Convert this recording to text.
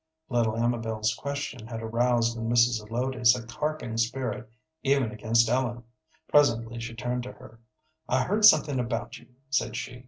Little Amabel's question had aroused in Mrs. Zelotes a carping spirit even against Ellen. Presently she turned to her. "I heard something about you," said she.